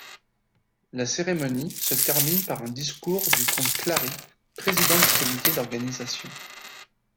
La cérémonie se termine par un discours du comte Clary, président du Comité d'organisation.